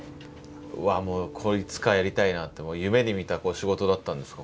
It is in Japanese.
うわっもうこれいつかやりたいなって夢にみた仕事だったんですか？